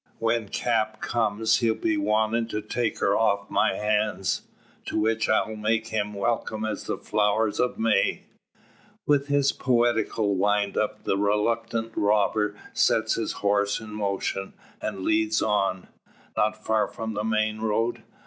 When Cap' comes he'll be wantin' to take her off my hands; to the which I'll make him welcome as the flowers o' May." With his poetical wind up, the reluctant robber sets his horse in motion, and leads on. Not far along the main road.